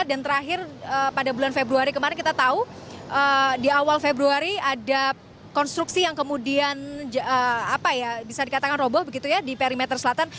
dan terakhir pada bulan februari kemarin kita tahu di awal februari ada konstruksi yang kemudian bisa dikatakan roboh begitu ya di perimeter selatan